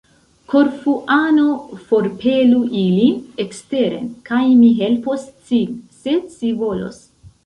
Korfuano, forpelu ilin eksteren, kaj mi helpos cin, se ci volos!